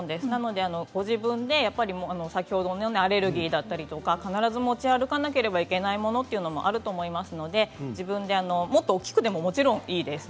ご自分で先ほどのアレルギーだったりとか必ず持ち歩かなければいけないものもあると思いますのでもっと大きくてもいいです。